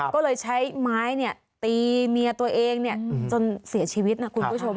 ก็เลยใช้ไม้ตีเมียตัวเองจนเสียชีวิตนะคุณผู้ชม